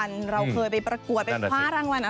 เราเคยไปประกวดเป็นพระพระรางวัลอะไรกัน